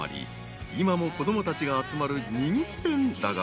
今も子供たちが集まる人気店だが］